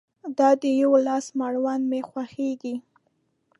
د دا يوه لاس مړوند مې خوږيږي